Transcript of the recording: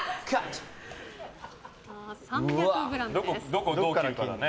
どう切るかだね。